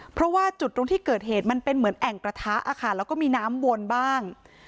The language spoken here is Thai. เพราะว่าจุดตรงที่เกิดเหตุมันเป็นเหมือนแอ่งกระทะค่ะแล้วก็มีน้ำวนบ้าง